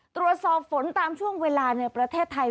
ตรวจสอบฝนตามช่วงเวลาในประเทศไทย